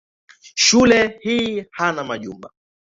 Shule hii hana majumba.